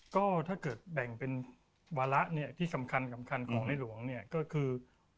ก็ถ้าเกิดแบ่งเป็นวาระที่สำคัญของนายหลวงก็คือ